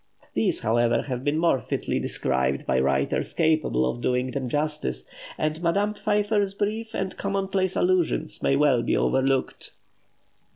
These, however, have been more fitly described by writers capable of doing them justice, and Madame Pfeiffer's brief and commonplace allusions may well be overlooked.